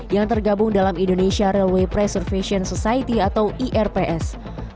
yang tergabung dalam indonesia railway preservation society atau irps